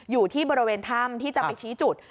อยู่ที่บริเวณถ้ำที่จะไปชี้จุด